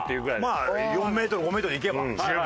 まあ４メートル５メートルいけば。